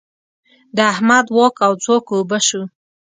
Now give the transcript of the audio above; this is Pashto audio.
د احمد واک او ځواک اوبه شو.